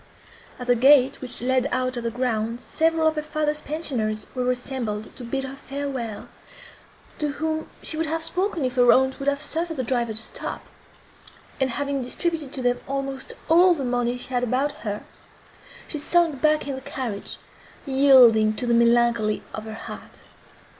At the gate, which led out of the grounds, several of her father's pensioners were assembled to bid her farewell, to whom she would have spoken, if her aunt would have suffered the driver to stop; and, having distributed to them almost all the money she had about her, she sunk back in the carriage, yielding to the melancholy of her heart.